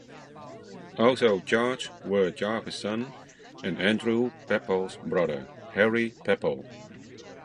Also charged were Jarvis's son and Andrew Pepall's brother, Harry Pepall.